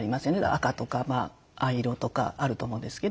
赤とか藍色とかあると思うんですけど。